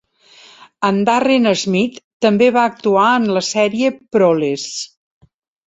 En Darren Smith també va actuar en la sèrie "Proles".